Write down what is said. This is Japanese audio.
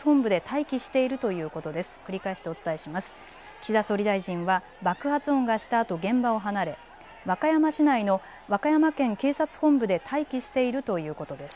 岸田総理大臣は爆発音がしたあと、現場を離れ和歌山市内の和歌山県警察本部で待機しているということです。